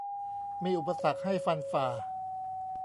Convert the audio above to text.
มีอุปสรรคให้ฟันฝ่า